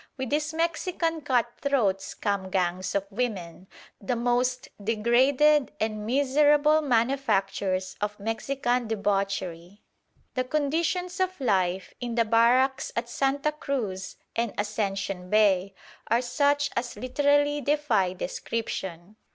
With these Mexican cut throats come gangs of women, the most degraded and miserable manufactures of Mexican debauchery. The conditions of life in the barracks at Santa Cruz and Ascension Bay are such as literally defy description.